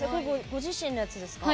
ご自身のやつですか？